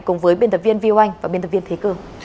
cùng với biên tập viên viu anh và biên tập viên thế cường